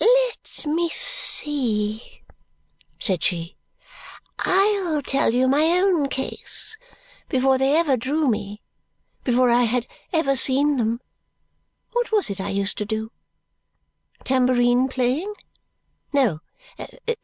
"Let me see," said she. "I'll tell you my own case. Before they ever drew me before I had ever seen them what was it I used to do? Tambourine playing? No.